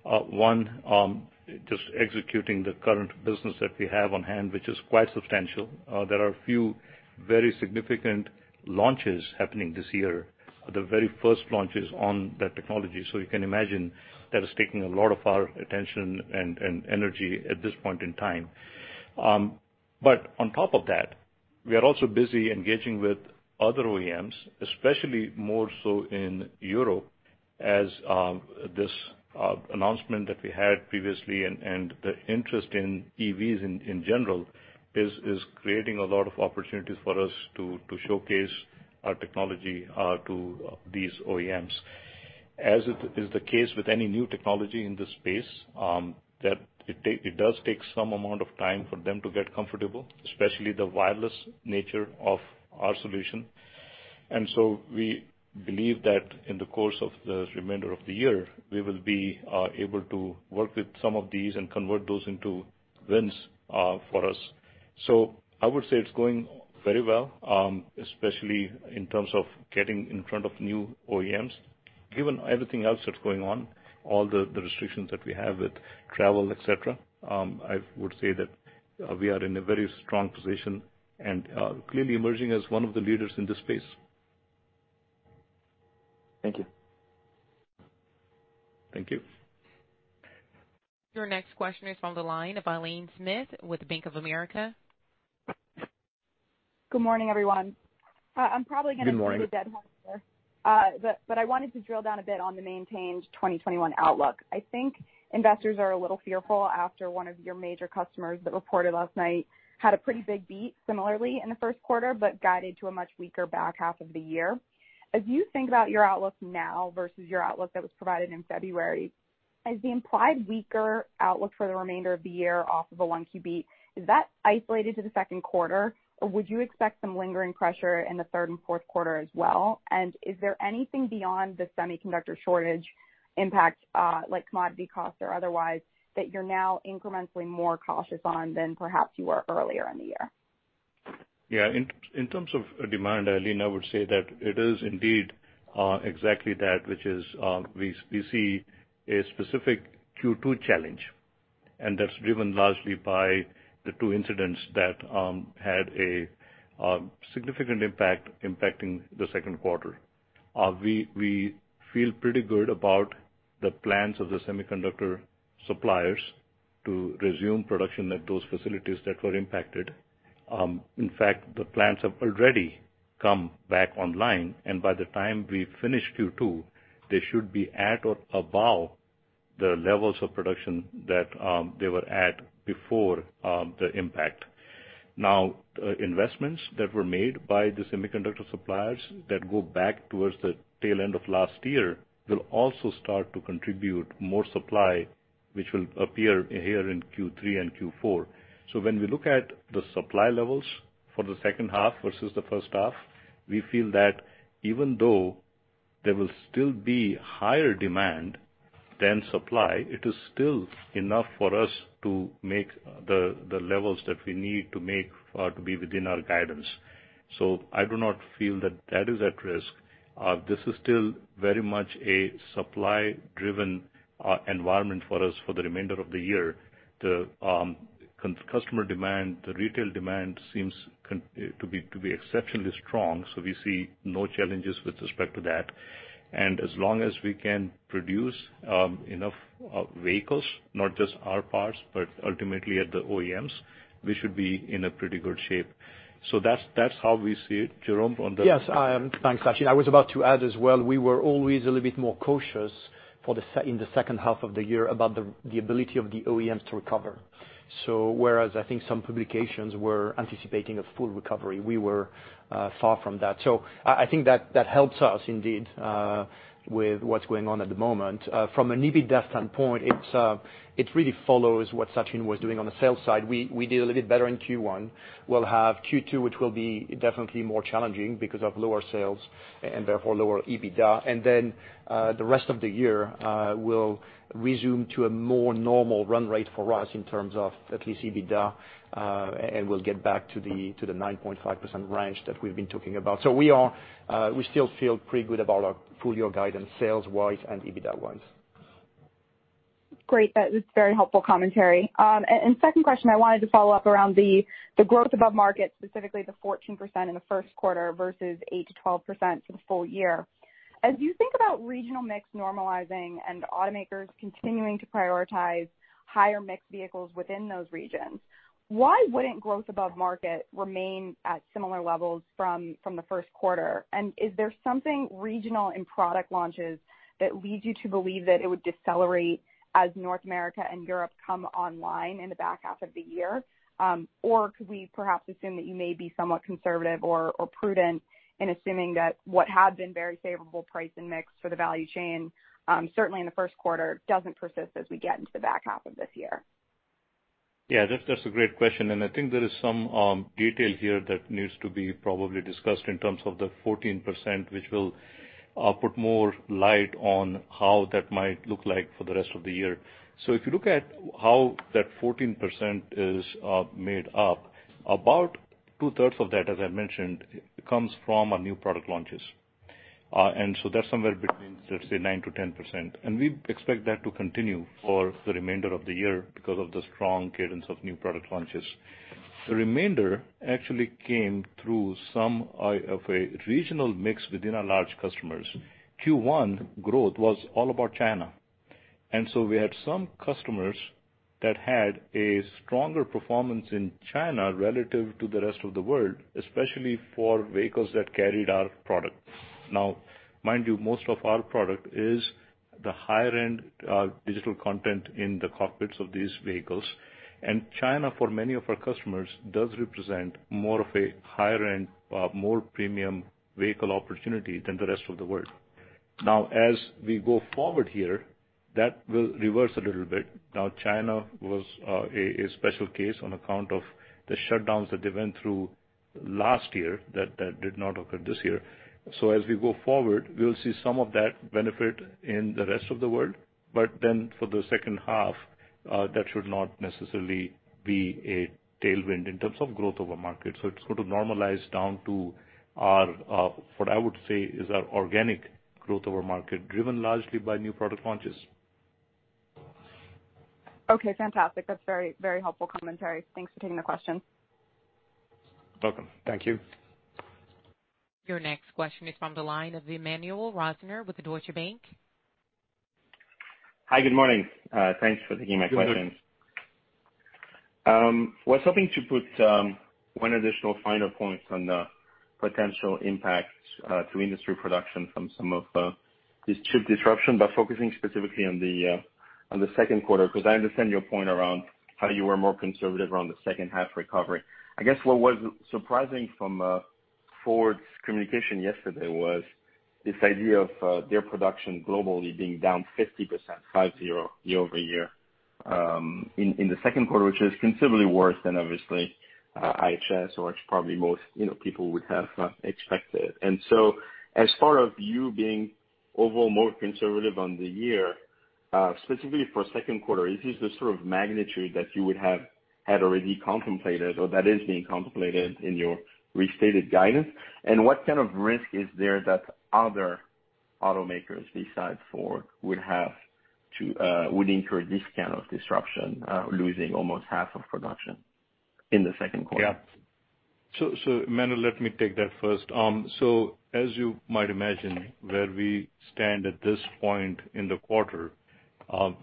One, just executing the current business that we have on hand, which is quite substantial. There are a few very significant launches happening this year, the very first launches on that technology. You can imagine that is taking a lot of our attention and energy at this point in time. On top of that, we are also busy engaging with other OEMs, especially more so in Europe, as this announcement that we had previously and the interest in EVs in general is creating a lot of opportunities for us to showcase our technology to these OEMs. As is the case with any new technology in this space, that it does take some amount of time for them to get comfortable, especially the wireless nature of our solution. We believe that in the course of the remainder of the year, we will be able to work with some of these and convert those into wins for us. I would say it's going very well, especially in terms of getting in front of new OEMs. Given everything else that's going on, all the restrictions that we have with travel, etc., I would say that we are in a very strong position and clearly emerging as one of the leaders in this space. Thank you. Thank you. Your next question is from the line of Aileen Smith with Bank of America. Good morning, everyone. Good morning. I'm probably going to be the dead horse here. I wanted to drill down a bit on the maintained 2021 outlook. I think investors are a little fearful after one of your major customers that reported last night had a pretty big beat similarly in the first quarter, but guided to a much weaker back half of the year. As you think about your outlook now versus your outlook that was provided in February, has the implied weaker outlook for the remainder of the year off of a 1Q beat, is that isolated to the second quarter, or would you expect some lingering pressure in the third and fourth quarter as well? Is there anything beyond the semiconductor shortage impact, like commodity costs or otherwise, that you're now incrementally more cautious on than perhaps you were earlier in the year? In terms of demand, Aileen, I would say that it is indeed exactly that, which is we see a specific Q2 challenge, and that's driven largely by the two incidents that had a significant impact impacting the second quarter. We feel pretty good about the plans of the semiconductor suppliers to resume production at those facilities that were impacted. In fact, the plants have already come back online, and by the time we finish Q2, they should be at or above the levels of production that they were at before the impact. Investments that were made by the semiconductor suppliers that go back towards the tail end of last year will also start to contribute more supply, which will appear here in Q3 and Q4. When we look at the supply levels for the second half versus the first half, we feel that even though there will still be higher demand than supply, it is still enough for us to make the levels that we need to make to be within our guidance. I do not feel that that is at risk. This is still very much a supply-driven environment for us for the remainder of the year. The customer demand, the retail demand seems to be exceptionally strong, so we see no challenges with respect to that. As long as we can produce enough vehicles, not just our parts, but ultimately at the OEMs, we should be in a pretty good shape. That's how we see it. Jerome. Yes. Thanks, Sachin. I was about to add as well, we were always a little bit more cautious in the second half of the year about the ability of the OEMs to recover. Whereas I think some publications were anticipating a full recovery, we were far from that. I think that helps us indeed, with what's going on at the moment. From an EBITDA standpoint, it really follows what Sachin was doing on the sales side. We did a little bit better in Q1. We'll have Q2, which will be definitely more challenging because of lower sales and therefore lower EBITDA. Then, the rest of the year will resume to a more normal run rate for us in terms of at least EBITDA, and we'll get back to the 9.5% range that we've been talking about. We still feel pretty good about our full-year guidance sales-wise and EBITDA-wise. Great. That was very helpful commentary. Second question, I wanted to follow up around the growth above market, specifically the 14% in the first quarter versus 8%-12% for the full year. As you think about regional mix normalizing and automakers continuing to prioritize higher-mix vehicles within those regions, why wouldn't growth above market remain at similar levels from the first quarter? Is there something regional in product launches that leads you to believe that it would decelerate as North America and Europe come online in the back half of the year? Could we perhaps assume that you may be somewhat conservative or prudent in assuming that what had been very favorable price and mix for the value chain, certainly in the first quarter, doesn't persist as we get into the back half of this year? Yeah, that's a great question. I think there is some detail here that needs to be probably discussed in terms of the 14%, which will put more light on how that might look like for the rest of the year. If you look at how that 14% is made up, about two-thirds of that, as I mentioned, comes from our new product launches. That's somewhere between, let's say, 9%-10%. We expect that to continue for the remainder of the year because of the strong cadence of new product launches. The remainder actually came through some of a regional mix within our large customers. Q1 growth was all about China. We had some customers that had a stronger performance in China relative to the rest of the world, especially for vehicles that carried our product. Mind you, most of our product is the higher-end digital content in the cockpits of these vehicles. China, for many of our customers, does represent more of a higher-end, more premium vehicle opportunity than the rest of the world. As we go forward here, that will reverse a little bit. China was a special case on account of the shutdowns that they went through last year that did not occur this year. As we go forward, we'll see some of that benefit in the rest of the world. For the second half, that should not necessarily be a tailwind in terms of growth over market. It's going to normalize down to our, what I would say is our organic growth over market, driven largely by new product launches. Okay, fantastic. That's very helpful commentary. Thanks for taking the question. Welcome. Thank you. Your next question is from the line of Emmanuel Rosner with Deutsche Bank. Hi, good morning. Thanks for taking my question. Good morning. Was hoping to put one additional final point on the potential impact to industry production from some of this chip disruption, but focusing specifically on the second quarter, because I understand your point around how you were more conservative around the second half recovery. I guess what was surprising from Ford's communication yesterday was this idea of their production globally being down 50% year-over-year in the second quarter, which is considerably worse than obviously IHS or which probably most people would have expected. As far as you being overall more conservative on the year, specifically for second quarter, is this the sort of magnitude that you would have had already contemplated or that is being contemplated in your restated guidance? What kind of risk is there that other automakers besides Ford would incur this kind of disruption, losing almost half of production in the second quarter? Emmanuel, let me take that first. As you might imagine, where we stand at this point in the quarter,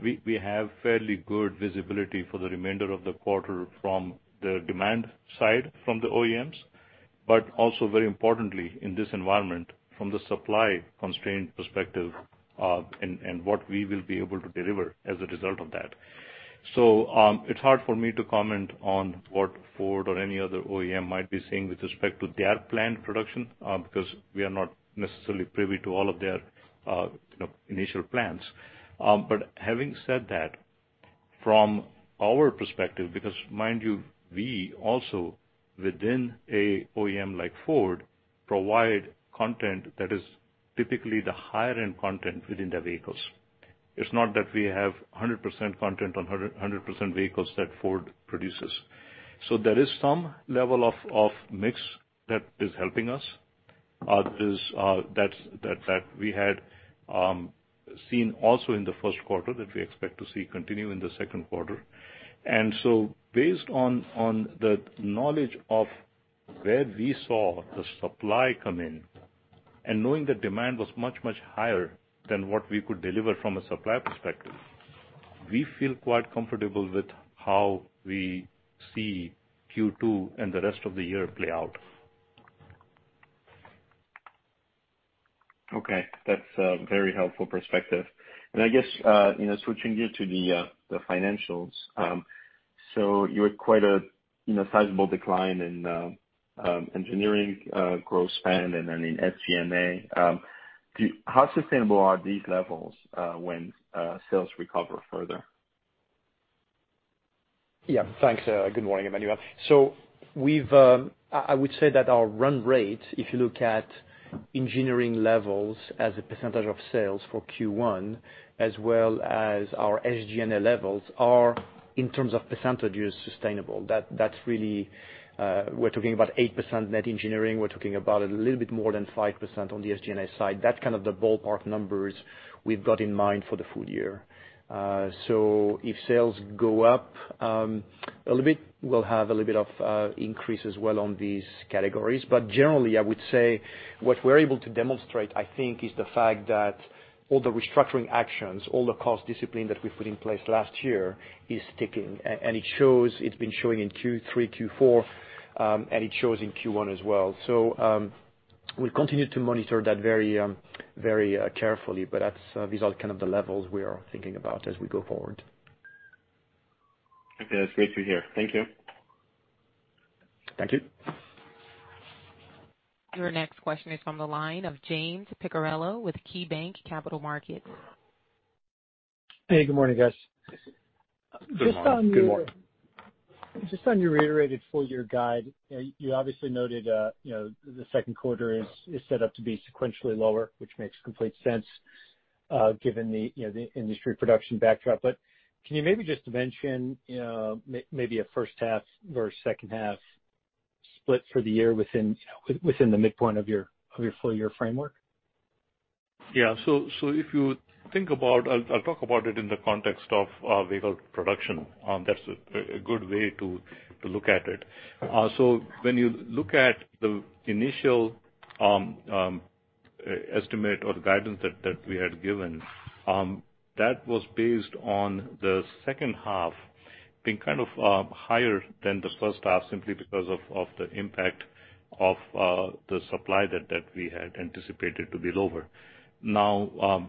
we have fairly good visibility for the remainder of the quarter from the demand side, from the OEMs, but also very importantly in this environment from the supply constraint perspective, and what we will be able to deliver as a result of that. It's hard for me to comment on what Ford or any other OEM might be saying with respect to their planned production, because we are not necessarily privy to all of their initial plans. Having said that, from our perspective, because mind you, we also within an OEM like Ford, provide content that is typically the higher-end content within their vehicles. It's not that we have 100% content on 100% vehicles that Ford produces. There is some level of mix that is helping us, that we had seen also in the first quarter that we expect to see continue in the second quarter. Based on the knowledge of where we saw the supply come in and knowing the demand was much, much higher than what we could deliver from a supply perspective, we feel quite comfortable with how we see Q2 and the rest of the year play out. Okay, that's a very helpful perspective. I guess, switching gear to the financials. You had quite a sizable decline in engineering gross spend and then in SG&A. How sustainable are these levels when sales recover further? Yeah. Thanks. Good morning, Emmanuel. I would say that our run rate, if you look at engineering levels as a percentage of sales for Q1, as well as our SG&A levels are, in terms of percentage, sustainable. We're talking about 8% net engineering. We're talking about a little bit more than 5% on the SG&A side. That's kind of the ballpark numbers we've got in mind for the full year. If sales go up a little bit, we'll have a little bit of increase as well on these categories. Generally, I would say what we're able to demonstrate, I think, is the fact that all the restructuring actions, all the cost discipline that we put in place last year is sticking. It's been showing in Q3, Q4, and it shows in Q1 as well. We'll continue to monitor that very carefully. These are kind of the levels we are thinking about as we go forward. Okay. That's great to hear. Thank you. Thank you. Your next question is from the line of James Picariello with KeyBanc Capital Markets. Hey, good morning, guys. Good morning. Good morning. Just on your reiterated full-year guide, you obviously noted the second quarter is set up to be sequentially lower, which makes complete sense, given the industry production backdrop. Can you maybe just mention maybe a first half versus second half split for the year within the midpoint of your full-year framework? Yeah. I'll talk about it in the context of vehicle production. That's a good way to look at it. When you look at the initial estimate or the guidance that we had given, that was based on the second half being kind of higher than the first half simply because of the impact of the supply that we had anticipated to be lower. Now,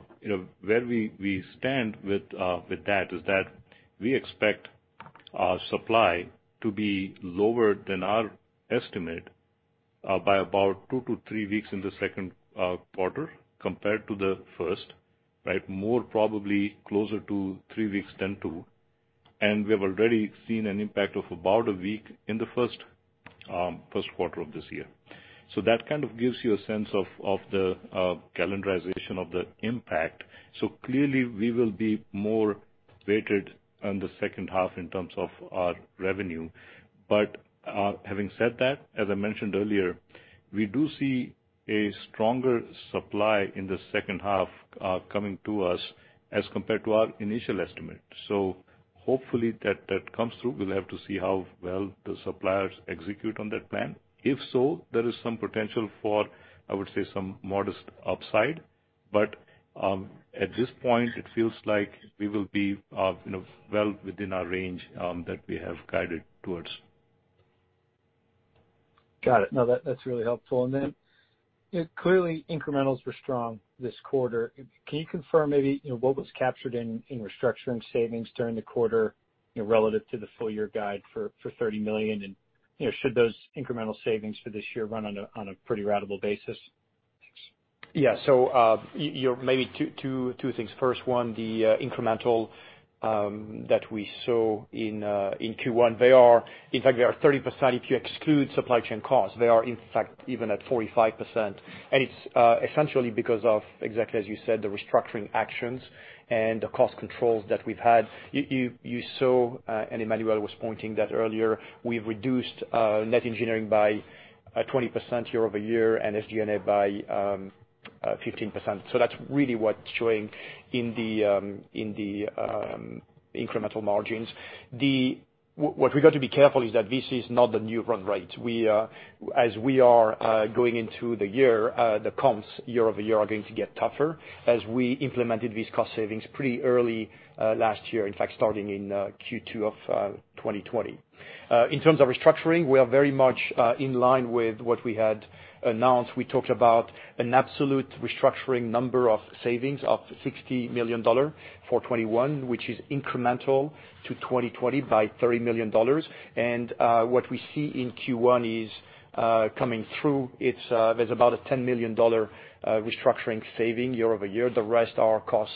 where we stand with that is that we expect our supply to be lower than our estimate, by about two to three weeks in the second quarter compared to the first, right? More probably closer to three weeks than two, and we have already seen an impact of about a week in the first quarter of this year. That kind of gives you a sense of the calendarization of the impact. Clearly, we will be more weighted on the second half in terms of our revenue. Having said that, as I mentioned earlier, we do see a stronger supply in the second half coming to us as compared to our initial estimate. Hopefully that comes through. We'll have to see how well the suppliers execute on that plan. If so, there is some potential for, I would say, some modest upside. At this point it feels like we will be well within our range that we have guided towards. Got it. No, that's really helpful. Clearly incrementals were strong this quarter. Can you confirm maybe what was captured in restructuring savings during the quarter relative to the full-year guide for $30 million? Should those incremental savings for this year run on a pretty ratable basis? Yeah. Maybe two things. First one, the incremental that we saw in Q1, in fact, they are 30% if you exclude supply chain costs. They are, in fact, even at 45%. It's essentially because of, exactly as you said, the restructuring actions and the cost controls that we've had. You saw, and Emmanuel was pointing that earlier, we've reduced net engineering by 20% year-over-year and SG&A by 15%. That's really what's showing in the incremental margins. What we got to be careful is that this is not the new run rate. As we are going into the year, the comps year-over-year are going to get tougher as we implemented these cost savings pretty early last year. In fact, starting in Q2 of 2020. In terms of restructuring, we are very much in line with what we had announced. We talked about an absolute restructuring number of savings of $60 million for 2021, which is incremental to 2020 by $30 million. What we see in Q1 is coming through. There's about a $10 million restructuring saving year-over-year. The rest are cost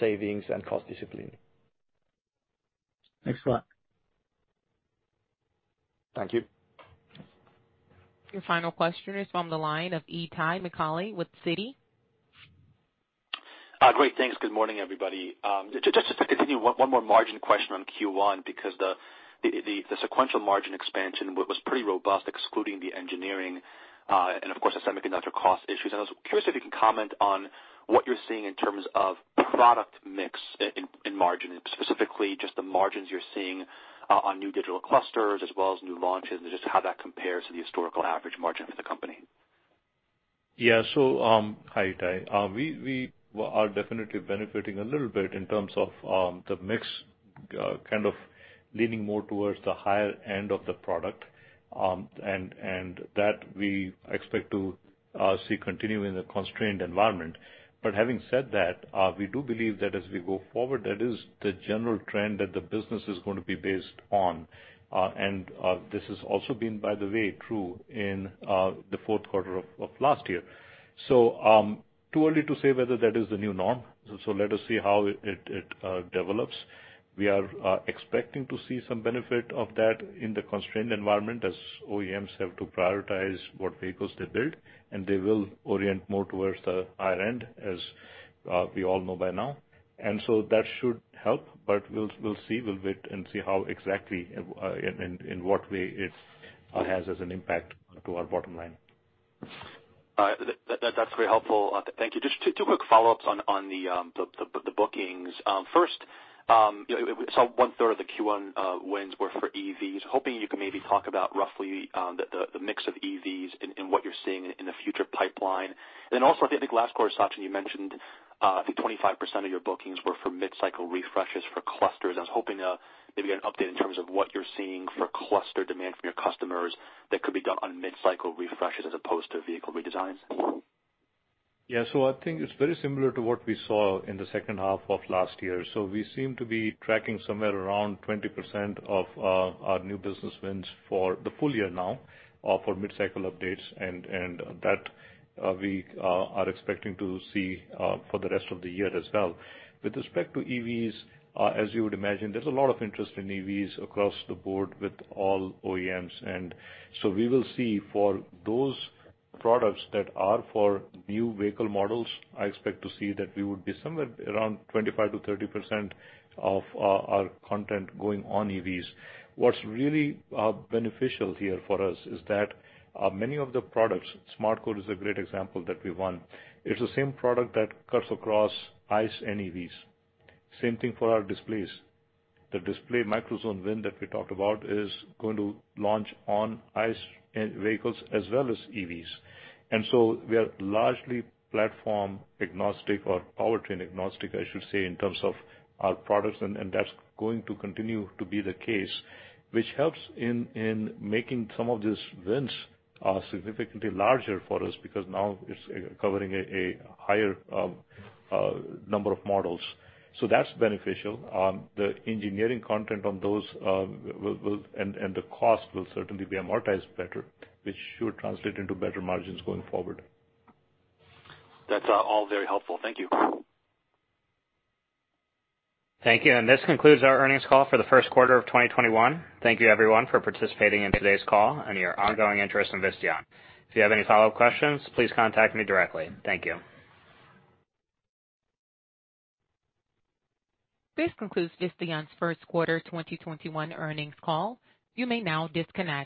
savings and cost discipline. Excellent. Thank you. Your final question is from the line of Itay Michaeli with Citi. Great. Thanks. Good morning, everybody. Just to continue, one more margin question on Q1, because the sequential margin expansion was pretty robust, excluding the engineering, and of course, the semiconductor cost issues. I was curious if you can comment on what you're seeing in terms of product mix in margin, specifically just the margins you're seeing on new digital clusters as well as new launches, and just how that compares to the historical average margin for the company. Hi, Itay. We are definitely benefiting a little bit in terms of the mix kind of leaning more towards the higher end of the product, and that we expect to see continue in the constrained environment. Having said that, we do believe that as we go forward, that is the general trend that the business is going to be based on. This has also been, by the way, true in the fourth quarter of last year. Too early to say whether that is the new norm. Let us see how it develops. We are expecting to see some benefit of that in the constrained environment as OEMs have to prioritize what vehicles they build, they will orient more towards the higher end, as we all know by now. That should help, we'll see. We'll wait and see how exactly, in what way it has as an impact to our bottom line. That's very helpful. Thank you. Just two quick follow-ups on the bookings. First, we saw one third of the Q1 wins were for EVs. I am hoping you can maybe talk about roughly the mix of EVs and what you're seeing in the future pipeline. Also, I think last quarter, Sachin, you mentioned, I think, 25% of your bookings were for mid-cycle refreshes for clusters. I was hoping maybe an update in terms of what you're seeing for cluster demand from your customers that could be done on mid-cycle refreshes as opposed to vehicle redesigns. Yeah. I think it's very similar to what we saw in the second half of last year. We seem to be tracking somewhere around 20% of our new business wins for the full year now for mid-cycle updates, and that we are expecting to see for the rest of the year as well. With respect to EVs, as you would imagine, there's a lot of interest in EVs across the board with all OEMs. We will see for those products that are for new vehicle models, I expect to see that we would be somewhere around 25%-30% of our content going on EVs. What's really beneficial here for us is that many of the products, SmartCore is a great example that we won. It's the same product that cuts across ICE and EVs. Same thing for our displays. The display microZone win that we talked about is going to launch on ICE vehicles as well as EVs. We are largely platform agnostic or powertrain agnostic, I should say, in terms of our products, and that's going to continue to be the case, which helps in making some of these wins significantly larger for us, because now it's covering a higher number of models. That's beneficial. The engineering content on those and the cost will certainly be amortized better, which should translate into better margins going forward. That's all very helpful. Thank you. Thank you. This concludes our earnings call for the first quarter of 2021. Thank you everyone for participating in today's call and your ongoing interest in Visteon. If you have any follow-up questions, please contact me directly. Thank you. This concludes Visteon's first quarter 2021 earnings call. You may now disconnect.